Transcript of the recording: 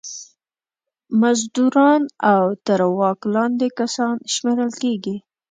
مزدوران او تر واک لاندې کسان شمېرل کیږي.